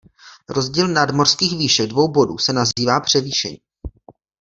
Rozdíl nadmořských výšek dvou bodů se nazývá převýšení.